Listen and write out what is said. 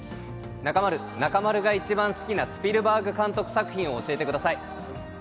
中丸、中丸が一番好きなスピルバーグ監督作品を教えてください。